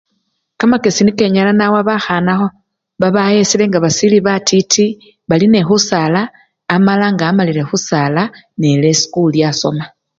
Kamakesi niko enyala nawa bakhana babayesyile nga basili batiti, bali nekhusala amala nga wamalile khusala, ne-ela esikuli asoma.